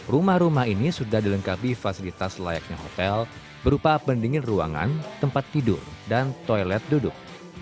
rumah rumah ini sudah dilengkapi fasilitas layaknya hotel berupa pendingin ruangan tempat tidur dan toilet duduk